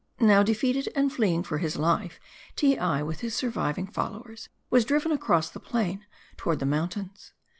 Now, defeated and fleeing for his life, Teei with his sur viving followers was driven across the plain toward the mountains.